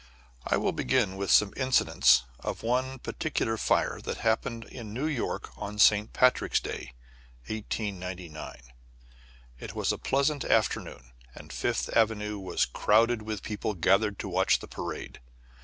I will begin with some incidents of one particular fire that happened in New York on St. Patrick's Day, 1899. It was a pleasant afternoon, and Fifth Avenue was crowded with people gathered to watch the parade.